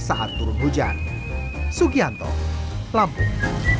saat turun hujan sugianto lampung